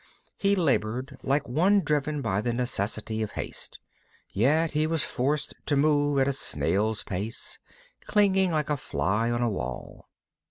He labored like one driven by the necessity of haste; yet he was forced to move at a snail's pace, clinging like a fly on a wall.